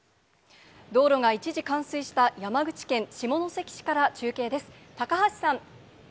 道路が一時冠水した山口県下関市から中継です。